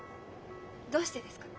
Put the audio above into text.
どうしてですか？